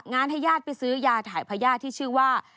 ให้ญาติไปซื้อยาถ่ายพญาติที่ชื่อว่า